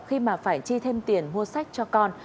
khi mà phải chi thêm tiền mua sách cho con